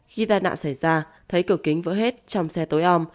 khi tai nạn xảy ra thấy cửa kính vỡ hết trong xe tối ôm